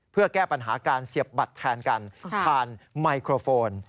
เพื่อแก้ปัญหาการเสียบบัตรแทนกันผ่านไมโครโฟน